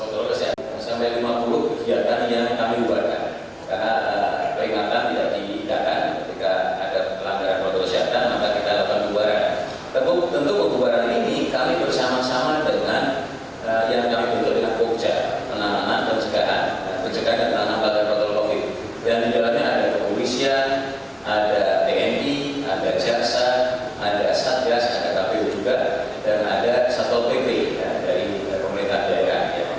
dan di dalamnya ada komunisian ada tni ada jasa ada satgas ada kpu juga dan ada satol pt dari pemerintah daerah